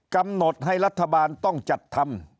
กำหนดให้รัฐบาลต้องจัดทำ